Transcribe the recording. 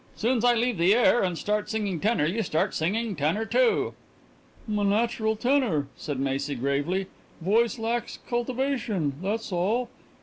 Soon's I leave the air and start singing tenor you start singin' tenor too." "'M a natural tenor," said Macy gravely. "Voice lacks cultivation, tha's all.